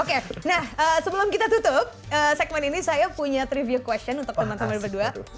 oke nah sebelum kita tutup segmen ini saya punya triview question untuk teman teman berdua